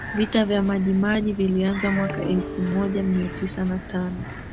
Vita vya Maji Maji vilianza mwaka elfu moja mia tisa na tano